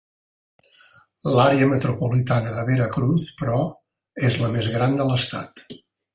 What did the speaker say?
L'àrea metropolitana de Veracruz, però, és la més gran de l'estat.